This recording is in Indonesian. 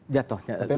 jatuhnya lebih murah